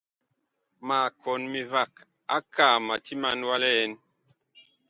Ma kɔn mivag akaa ma timan wa li ɛn.